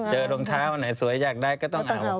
รองเท้าอันไหนสวยอยากได้ก็ต้องเอา